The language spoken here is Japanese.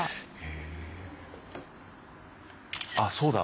あっそうだ。